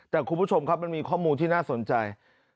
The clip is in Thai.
แต่คุณผู้ชมครับมันมีข้อมูลที่น่าสนใจ